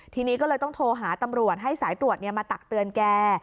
ทีนี้ก็เลยต้องโทรหาตำรวจให้สายตรวจมาตักเตือนแก